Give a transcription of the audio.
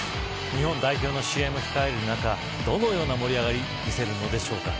日本代表の試合も控える中どのような盛り上がりを見せるのでしょうか。